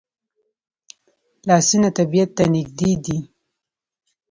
لاسونه طبیعت ته نږدې دي